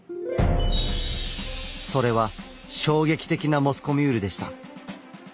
それは衝撃的なモスコミュールでした。